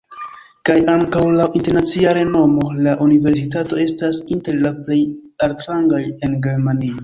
Kaj ankaŭ laŭ internacia renomo la universitato estas inter la plej altrangaj en Germanio.